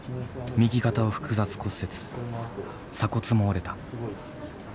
右肩を複雑骨折鎖骨も折れた。